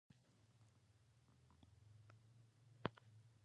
بلجیم کې خلک د خپل ځانګړي څښاک لپاره مشهوره دي.